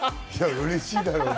うれしいだろうな。